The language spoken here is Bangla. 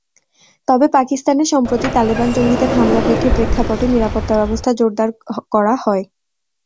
তবে পাকিস্তানে সম্প্রতি তালেবান জঙ্গিদের হামলা বৃদ্ধির প্রেক্ষাপটে নিরাপত্তাব্যবস্থা জোরদার করা হয়।